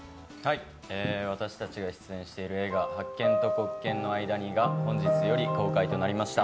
私たちが出演している映画「白鍵と黒鍵の間に」が本日より公開となりました。